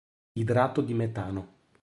Idrato di metano